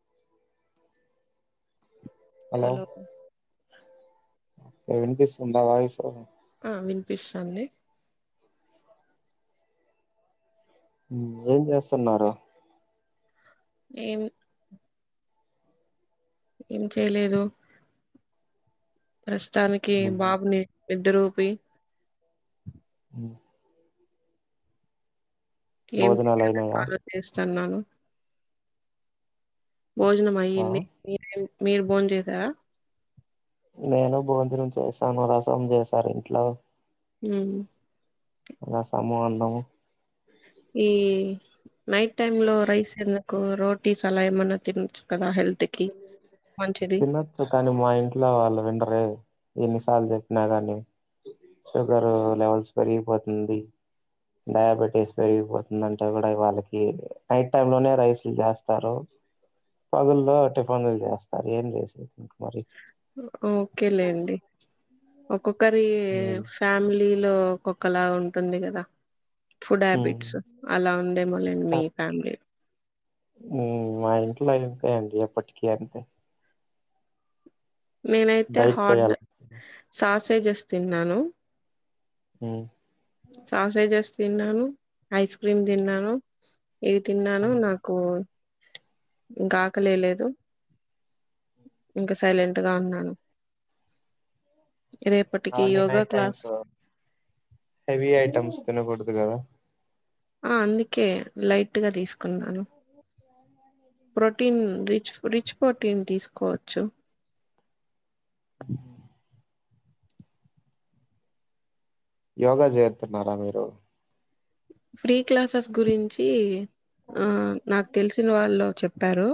[inaudible] Hello వినిపిస్తుందా voice ఆ వినిపిస్తుంది హ్మ్మ్ ఏం చేస్తున్నారు ఏం ఏం చేయలేదు ప్రశ తానికి బాబుని నిద్దరు పోయి హ్మ్మ్ ఏం భోజనాలు చేయాలని అయినాయా ఆలోచిస్తాన్నాను ఆ భోజనమైంది మీరు బోన్ చేసారా నేను భోజనం చేసాను రసం చేసారు ఇంట్లో హ్మ్మ్ రసము అన్నము ఈ నైట్ టైమ్ లో రైస్ ఎందుకు రోటీస్ అలా ఏమన్నా తినొచ్చు కదా హెల్త్ కి మంచిది తినచ్చు కానీ మా ఇంట్లో వాళ్ళు వినరే ఎన్నిసార్లు చెప్పినా కానీ షుగర్ లెవెల్స్ పెరిగిపోతుంది డయాబెటీస్ పెరిగిపోతుంది అంటే కూడా వాళ్ళకి నైట్ టైం లోనే రైస్ చేస్తారు పగుల్లో టిఫాన్ లు చేస్తారు ఏం చేసేది మరి ఓకేలేండి ఒకరి ఉమ్ ఫ్యామిలీ ఇంట్లో కుక్కలాగా ఉంటుంది కదా ఫుడ్ ఉమ్. హ్యాబిట్స్ అలా ఉందేమో లే మీ ఫ్యామిలీ మా ఇంట్లో అంతే అండి ఎప్పటికీ అంతే నేనైతే డైట్ హార్డ్ చేయాలి సాస్ అట్టే చేస్తున్నాను మ్మ్ సాసే జేస్ తిన్నాను ఐస్ క్రీమ్ తిన్నాను ఇవి తిన్నాను నాకు ఇంకా ఆకలి ఎయ్యా లేదు ఇంకా సైలెంట్గా ఉన్నాను రేపటికి అని yoga night class times heavy items తినకూడదు ఇయ్యావ ఆ అందుకే లైట్గా తీసుకున్నాను ప్రోటీన్ రిచ్ రిచ్ ప్రోటీన్ తీసుకోవచ్చు ఓహో యోగా చేరుతున్నారా మీరు ఫ్రీ క్లాసెస్ గురించి ఆ నాకు తెలిసిన వాళ్ళు చెప్పారు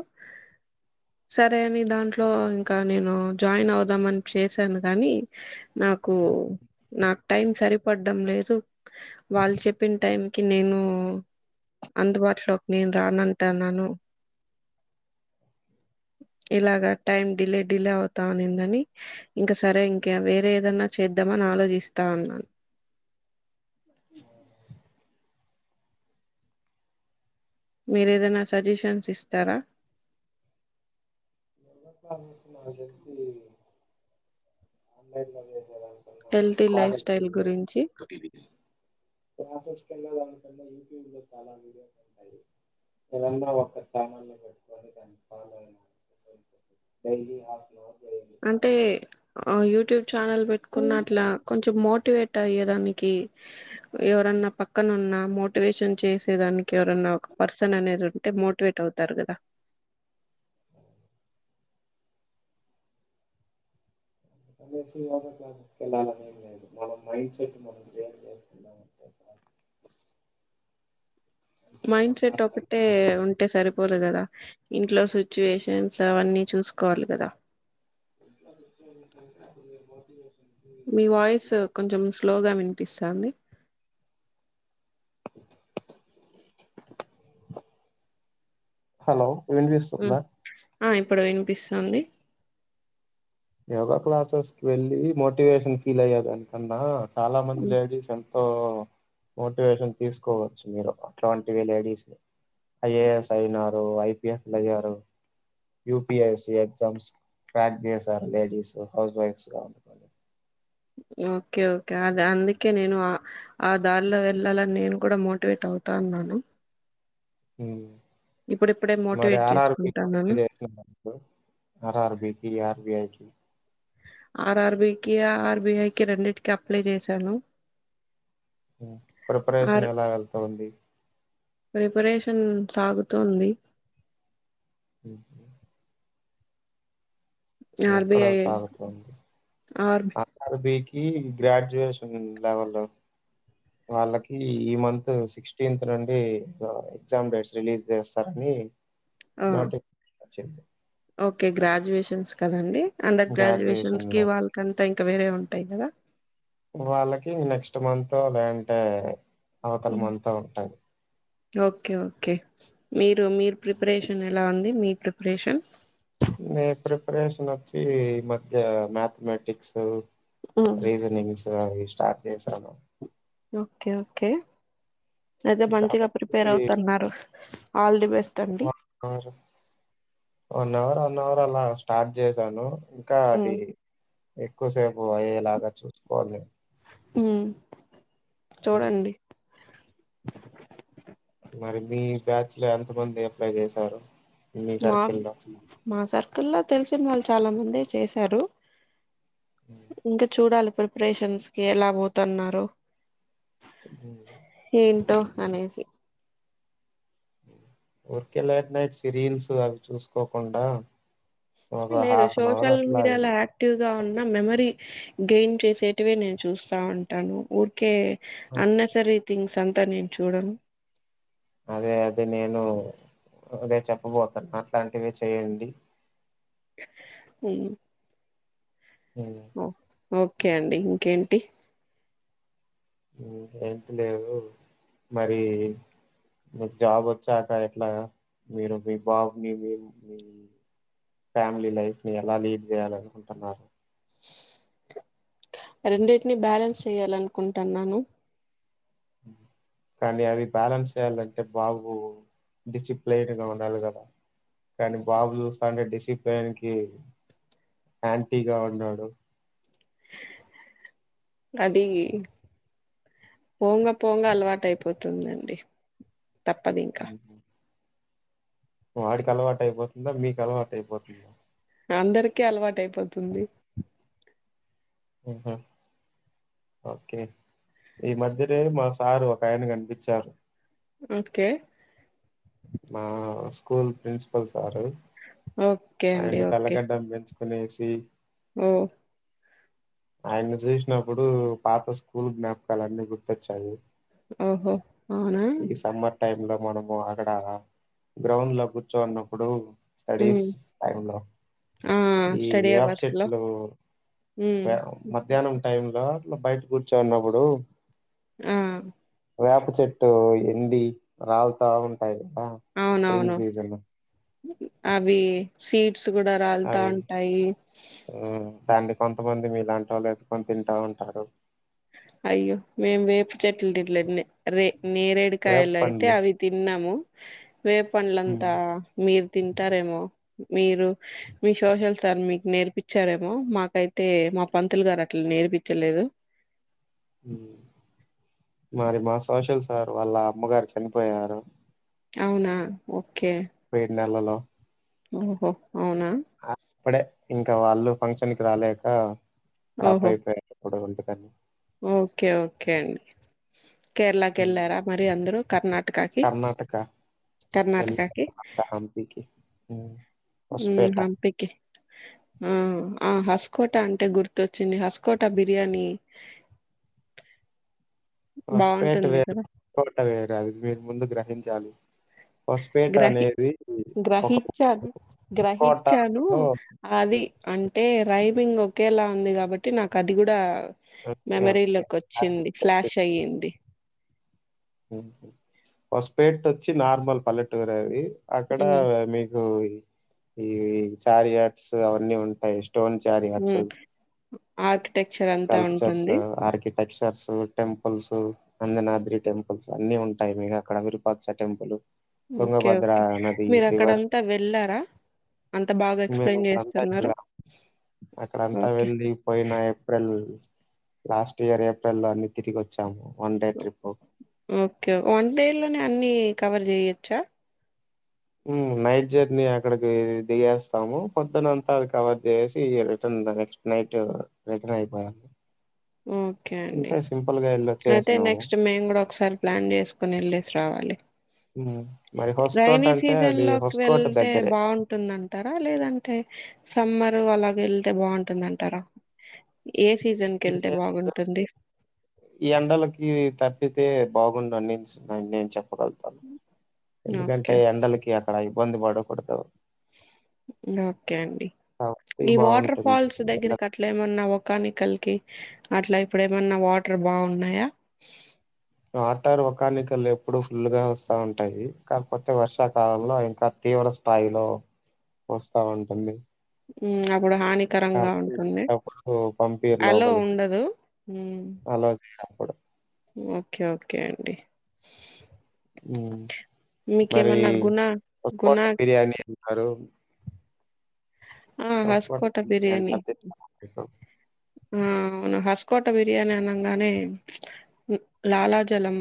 సరే అని దాంట్లో ఇంకా నేను జాయిన్ అవుదామని చేసాను కానీ నాకు నాకు టైం సరిపడ్డం లేదు వాళ్ళు చెప్పిన టైం కీ నేను అందుబాటులోకి నేను రానంటా అన్నాను ఇలాగా టైం డిలే డిలే అవుతానేందని ఇంకా సరే ఇంకా వేరే ఏదన్నా చేద్దామని ఆలోచిస్తా అన్నాను మీరు ఏదన్నా సజిషన్స్ ఇస్తారా రెండొసారి మిషన్ ఎసేసి అందరు పనిచేసేవాళ్ళు హెల్తీ లైఫ్ స్టైల్ గురించి స [inaudible] క్లాసెస్ కి వెళ్ళాలని యూట్యూబ్ లో చాల విడియోస్ వస్తాయి సడెన్ గా వాళ్ళు ఛానెల్ లో పెట్టుకొని [unintelligible] అంటే ఆ యూట్యూబ్ ఛానల్ పెట్టుకున్న అట్లా కొంచెం మోటివేట్ అయ్యేదాన్ని ఎవరన్నా పక్కనున్న మోటివేషన్ చేసేదానికి ఎవరన్నా ఒక పర్సన్ అనేది ఉంటే మోటివేట్ అవుతారు కదా అకసి యోగ క్లాసెస్కి వెళ్ళాలనిం లేదు మన మైండ్ సెట్ మనం ఎమ్ చేస్తున్నం ఎమ్ చేస్తున్నం మైండ్ సెట్ ఒకటే ఉంటే సరిపోదు కదా ఇంట్లో సిచ్యువేషన్స్ అవన్నీ చూసుకోవాలి కదా మీ వాయిస్ కొంచెం స్లోగా వినిపిస్తాంది హలో ఏం హ్మ్ చేస్తున్నా ఆ ఇప్పుడు వినిపిస్తుంది యోగా క్లాసెస్ కి వెళ్ళి మోటివేషన్ ఫీల్ అయ్యేదానికన్నా చాలా మంది హ్మ్ లేడిస్ మోటివేషన్ తీసుకోవచ్చు మీరు అట్లాంటివి లేడీస్ ఐ ఏ ఎస్ అయినారు, ఐ పీ ఎస్ అయ్యారు, పీ ఎస్సి ఎగ్జామ్స్ కట్ చే లేడీస్ హౌస్ వైఫ్స్ గా ఉండపో ఓకే ఓకే అది అందుకే నేను ఆ దారిలో వెళ్ళాలని నేను కూడా మోటివేట్ అవుతాన్నాను మ్మ్ మరి మోటివేట్ ఆర్ ఆర్ బి, చేసుకుంటాన్నాను ఆర్ ఆర్ బి కి [unintelligible] ఆర్ ఆర్ బి కి, ఆర్ బి ఐ కి రెండింటికి అప్లై చేశాను ప్రిపరేషన్ ఆర్ ఎలా వెళ్తాంది ప్రిపరేషన్ సాగుతుంది హ ఎక్కడో ఆర్బిఐ సాగుతుంది ఆర్ అది ఈ గ్రాడ్యుయేషన్ లెవెల్ వాళ్ళకి ఈ మంత్ సిక్టీంత్ నుండి ఎగ్జామ్ డేట్స్ రిలీజ్ చేస్తారని ఆ నట అే ఓకే గ్రాడ్యుయేషన్స్ కదండి అండర్ గ్రాడ్యుయేషన్స్ గ్రాడ్యుయేషన్ కి లో వాళ్ళకంతా ఇంకా వేరే ఉంటాయి కదా వాళ్ళకి నెక్స్ట్ మంత్ లేదంటే అవతల హ్మ్ మంత్ ఉంటాయి ఓకే ఓకే మీ మీరు ప్రిపరేషన్ ఎలా ఉంది మీ ప్రిపరేషన్ ప్రిపరేషన్ వచ్చి ఈ మధ్య మ్యాథమెటిక్స్ ఉమ్ రీజనింగ్స్ అవి స్టార్ట్ చేశాను ఓకే ఓకే అయితే మంచిగా ప్రిపేర్ అవుతున్నారు ఆల్ ది బెస్ట్ అండి ఆ వన్ అవర్ వన్ అవర్ అలా స్టార్ట్ చేసాను ఇంకా అది ఉమ్ ఎక్కువసేపు అయ్యేలాగా చూసుకోవాలి. ఊ చూడండి. మరి మీ బ్యాచ్ లో ఎంతమంది అప్లై చేశారు. మీ మాక్ సర్కిల్ లో మా సర్కిల్లో తెలిసిన వాల్ చాలా మంది చేశారు ఇంక చూడాలి. ప్రిపరేషన్స్ కి ఎలా పోతున్నారు. ఉహు టో అనేసి ఉరికే లేట్ నైట్ సిరియల్స్ అవి చూసుకోకుండా ఒక లేదు హాఫ్ అన్ అవర్ సోషల్ అట్లా మీడియాలో ఇ- యాక్టివ్గా ఉన్న మెమరీ గెయిన్ చేసేటివే నేను చూస్తా ఉంటాను ఊరికే అన్ నెసరీ థింగ్స్ సంతా నేను చూడను. అదే అదే నేను అదే చెప్పబోతాల్న్న అట్లాంటివి చెయ్యండి. ఊ ఉమ్, ఓ ఓకే అండి ఇంకేంటి. ఊ ఏంటి లేదు మరీ మీకు జాబ్ వచ్చాక ఇట్లా మీరు మీ బాబుని మీ ఫ్యామిలీ లైఫ్ ని ఎలా లీడ్ చేయాలనుకుంటన్నారు. రెండిటిని బ్యాలెన్స్ చెయాలనుకుంటన్నాను. కానీ అది బ్యాలెన్స్ చేయాలంటే బాబు డిసిప్లైన్ గా ఉండాలి కదా కానీ బాబు చూస్తాంటే డిసిప్లైన్ కి యాంటీగా ఉన్నాడు. అది పోంగ పోంగ అలవాట అయిపోతుందండి. తప్పదు ఇంక ఉహు. వాడికి అలవాటు అయిపోతుందా మీకు అలవాటు అయిపోతుందా అందరికీ అలవాట అయిపోతుంది. ఆహా! ఓకే ఈ మధ్యనేే మా సారు ఒక ఆయన కనిపిచ్చారు. ఓకే మా స్కూల్ ప్రిన్సిపల్ సార్ ఓకే అండి ఓకే కోనేసి ఓ ఆయన్ని చూసినప్పుడు పాత స్కూల్ జ్ఞాపకాలు అన్నీ గుర్తొచ్చాయి. ఓహో! అవునా ఈ సమ్మర్ టైమ్ లో మనము అ అక్కడ గ్రౌండ్ లో కూర్చోన్నప్పుడు స్టడీస్ ఉమ్ టైంలో ఆ ఈ స్టడీ వేప అవర్స్ లో చెట్లు ఉమ్ మధ్యాహ్నం టైమ్ ల బయట కూర్చోన్నప్పుడు ఆ వేప చెట్టు ఎండి రాలుతా ఉంటాయి కదా స్ప్రింగ్ అవునవును సీజన్ లో, అవి సిడ్స్ కూడా అవి రాల్తంటాయి ఉమ్ దాన్ని కొంతమంది మీలాంటోలు ఎత్తుకొని తింటా ఉంటారు అయ్యో మేం వేప చెట్లు [unintelligible] రే వేప నేరేడుకాయలు అయితే పండ్లు అవి తిన్నాము వేప ఉమ్ పండ్లంతా మీరు తింటారేమో మీరు మీ సోషల్ సార్ మీకు నేర్పిచారేమో మాకైతే మా పంతులు గారు అట్లా నేర్పిచలేదు మరి మా సోషల్ సార్ వాళ్ళ అమ్మగారు చనిపోయారు అవునా ఓ పోయిన నెలలో ఓహో అవునా అప్పుడే ఇం కా వాళ్ళు ఫంక్షన్ కి రాలేక డ్రాప్ ఓహో అయిపోయారు [unintelligible] కాన్ ఓకే ఓకే అండి కేరళకి ఉమ్ వెళ్ళారా మరి అందరు కర్ణాటకకి కర్ణాటక వెళ్ళంట కర్ణాటకకి హంపికి ఉమ్ మ్ హొస్పేట హంపికి ఆ ఆస్ హస్కోట అంటే గుర్తుొచ్చింది హస్కోట బిర్యానీ హస్పేట బాగుంటుంది వేరు కదా తోట వేరు అది మీరు ముందు గ్రహించాలి హొస్పేట గ్రహి అనేది ఒక గ్రహించను కోట గ్రహించను లో అది అంటే రై రైమింగ్ ఒకేలా ఉంది కాబట్టి నాకు అది కూడా ఓకే. ఓకే. మెమరీలోకి నాకు వచ్చింది ఫ్లాష్ అయ్యింది వస్పేట్ వచ్చి నార్మల్ పల్లెటూరు అది అక్కడ మ్మ్ మీకు కు ఈ చారియట్స్ అవన్నీ ఉంటాయి టోన్ జారి అట్స్ ఆఠ టెక్చర్ అంతా ఉంటుంది టెచర్స్ టెంపుల్స్ అందనాద్రి టెంపుల్స్ అన్ని ఉంటాయి. మీరు అక్కడ విరుపాక్ష టెంపులు ఓకే ఓకే మీరు అక్కడంతా వెళ్ళారా. అంతా బాగా ఎక్స్ప్లెయిన్ మేమక్కడంతా చేస్తున్నారు. వెళ్ళాం. ఓకే ఉ లాస్ట్ ఇయర్ ఏప్రిల్ లో అన్ని తిరిగి వచ్చాము. ఓకే వన్ డే లోనే అన్ని కవర్ చేయచ్చా ఉమ్ నైట్ జర్నీ అక్కడికి దిగేస్తాము. పొద్దునంతా అది కవర్ చేసి, రిటర్న్ నెక్స్ట్ నైట్ రిటర్న్ అయిపోయాం. ఓకే అండి అయితే వచ్చేసినాము నెక్స్ట్ మేము కూడా ఒకసారి ప్లాన్ చేసుకుని వెళ్ళేసి రావాలి. ఉమ్ మరి హొస్కోట్ రైైనీ అంటే సీజన్ అది లోకి హొస్కోట్ వెళ్తే దగ్గరే బాగుంటుందంటారా లేదన్ అంటే సమ్మర్ అలాగ వెళ్తే బాగుంటుంది అంటారా ఏ సీజన్ కి వెళ్తే బాగుంటుంది ఈ ఎండలకి తప్పితే బాగుండ నేను సిద్ధమే నేను చెప్పను తాగుతా ఓకే ఎందుకంటే ఎండలకి అయిపోయింది పడో పద్దు ఓకే అండి కాబట్టి ఈ వాటర్ బాగుంటుంది ఫాల్స్ ఎండ దగ్గరికి అట్లే ఏమన్నా కాని కల్కి అట్లా ఇప్పుడు ఏమన్నా వాటర్ బాగున్నాయా ఆటర్ ఒకానికల్ ఎప్పుడు ఫుల్ గా వస్తా ఉంటాయి. కాకపోతే వర్షాకాలంలో ఇంకా తీవ్ర స్థాయిలో వస్తా ఉంటుంది. ఉమ్ ఇప్పుడు హానికరంగా కాబట్టి ఉంటుంది అప్పుడు పంపియ్యరు అలో లోపలికి. ఉండదు ఉమ్ అలో చేయరప్పుడు. ఓకే ఓకే అండి ఉహు మీకే ఏమన్నా గుణ గుణ అరు ఆ హస్కోటా హస్కోట బిర్యానీ అదెట్ల [unintelligible] ఆ అవును హస్కోట బిర్యానీ అనంగానే లాలాజలం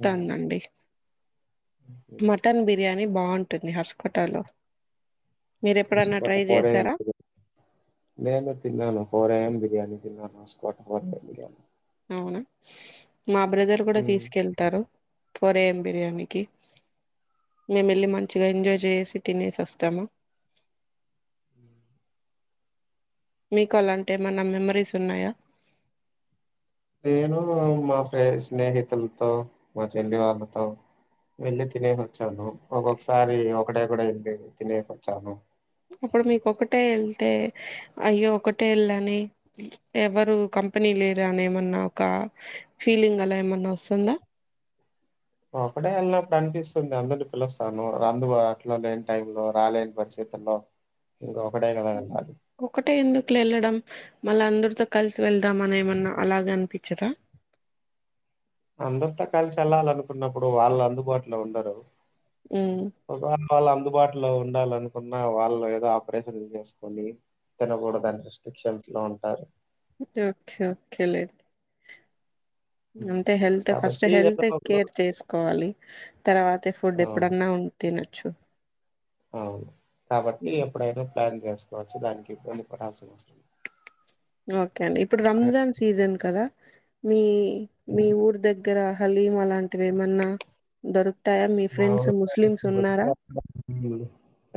హ్మ్. మటన్ బిర్యానీ బాగుంటుంది హస్ కోటాలో హస్కోటా ఫోర్ ఏ యమ్ నేను తిన్నాను. ఫోర్ ఏ యం బిర్యానీ తిన్నాను హస్కోటా [unintelligible] అవునా మా బ్రదర్ కూడా హ్మ్. తీసుకెళ్తారు. ఫోర్ ఏ యం బిర్యానీకి మేము వెళ్ళి, మంచిగా ఎంజాయ్ చేసి, తినేసి వస్తాము. మీకు అలాంటి ఏమన్నా మెమరీస్ ఉన్నాయా నేను మా ప్రె స్నేహితులతో మా చెల్లి వాళ్ళతో, వెళ్ళి తినేసి వచ్చాను. ఒక్కొక్కసారి ఒకటే కూడా వెళ్ళి తినేసి వచ్చాను. అప్పుడు మీకు ఒకటే వెళ్తే అయ్యో ఒకటే వెళ్లానే ఎవరు కంపెనీ లేరు. అని ఏమన్నా ఒక ఫీలింగ్ అలా ఏమన్నా వస్తుందా. ఒక్కడే వెళ్నప్పుడు అనిపిస్తుంది. అందరినీ పిలుస్తాను. రందు అట్లా లేని టైం లో రాలేని పరిస్థితుల్లో ఇంక ఒకటే కదా అంటాంది ఒకటే ఎందుకులే వెళ్ళడం మళ్ళ అందరితో కలిసి వెళ్దాంని ఏమన్నా అలాగ అనిపించదా అందరింత కలిసి వెళ్లాలినుకున్నప్పుడు వాళ్ళు అందుబాటులో ఉండరు ఉమ్ వాల అందుబటు లో ఉండాలనుకున్న వాళ్ళు ఏదో ఆపరేషన్లు చేసుకొని తినకూడ దాని రెస్ట్రిక్షన్స్ లో ఉంటారు ఓకే ఓకే లేట్ ఉమ్. అంటే హెల్త్ ఫస్ట్ కాబట్టి ఏదో హెల్త్ ఒకడు కేర్ చేసుకోవాలి తర్వాత ఫుడ్ అవును ఎప్పుడన్నా ఉంటే న వుచ్చు అవును కాబట్టి ఎప్పుడైనా ప్లాన్ చేసుకోవచ్చు దానికి ఇబ్బంది పడాల్సిన వస్తుంది ఓకే అండి ఇప్పుడు రంజాన్ సీజన్ కదా మీ మీ ఉమ్, ఊరు దగ్గర హలీం అలాంటివి ఏమన్నా దొర మా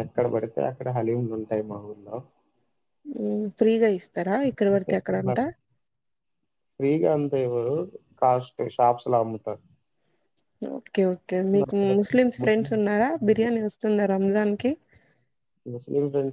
ఎక్కడ పడితే అక్కడ హలీ ఉంది టై మా ఊర్లో ఫ్రీగా ఇస్త శ్రీకాంత ఎవరు కాస్ట్ షాప్స్ లో అమ్ముతారు ఓకే ఓకే మీకు ముస్లింస్ అమ్ముతారు ఫ్రెండ్స్ ఉన్నారా బిర్యానీ వస్తున్నారు రంజాన్ కి ముస్లిం ఫ్రెండ్స్